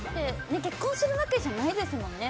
だって結婚するわけじゃないですもんね。